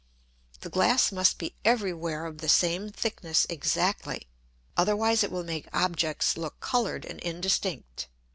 The Glass must be every where of the same thickness exactly. Otherwise it will make Objects look colour'd and indistinct.